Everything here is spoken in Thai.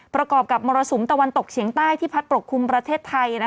ประกอบกับมรสุมตะวันตกเฉียงใต้ที่พัดปกคลุมประเทศไทย